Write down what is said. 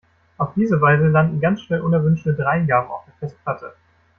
Auf diese Weise landen ganz schnell unerwünschte Dreingaben auf der Festplatte.